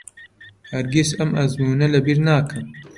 هەرگیز ئەم ئەزموونە لەبیر ناکەم.